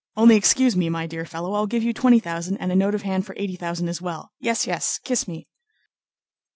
"Only excuse me, my dear fellow, I'll give you twenty thousand and a note of hand for eighty thousand as well. Yes, yes! Kiss me."